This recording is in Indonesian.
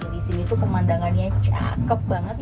di sini tuh pemandangannya cakep banget